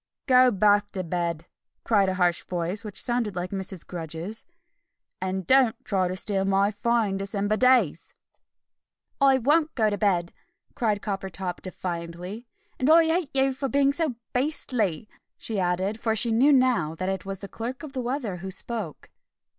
"Go back to bed!" cried a harsh voice, which sounded like Mrs. Grudge's, "and don't try to steal my fine December days!" "I won't go to bed!" cried Coppertop defiantly, "and I hate you for being so beastly!" she added, for she knew now that it was the Clerk of the Weather who spoke.